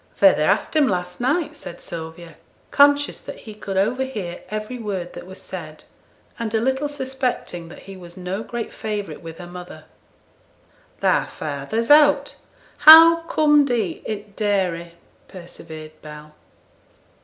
Feyther asked him last night,' said Sylvia, conscious that he could overhear every word that was said, and a little suspecting that he was no great favourite with her mother. 'Thy feyther's out; how com'd he i' t' dairy?' persevered Bell.